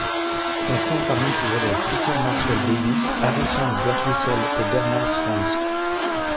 On compte parmi ses élèves Peter Maxwell Davies, Harrison Birtwistle et Bernard Rands.